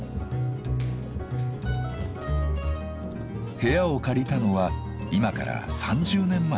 部屋を借りたのは今から３０年前。